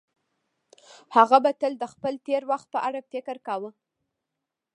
هغه به تل د خپل تېر وخت په اړه فکر کاوه.